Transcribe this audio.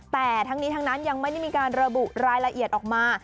แต่ทั้งนี้ทั้งนั้นยังไม่ได้มีการระบุรายละเอียดออกมา